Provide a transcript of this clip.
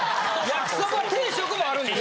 焼きそば定食もあるんです。